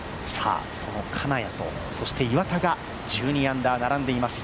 その金谷と、岩田が１２アンダー並んでいます。